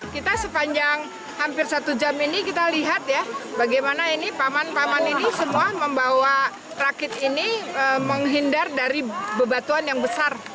kita sepanjang hampir satu jam ini kita lihat ya bagaimana ini paman paman ini semua membawa rakit ini menghindar dari bebatuan yang besar